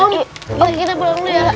om kita pulang dulu ya